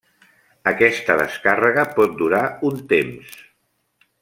Aquesta descàrrega pot durar un temps.